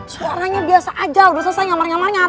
suaranya biasa aja udah selesai nyamarnya nyamarnya tau gak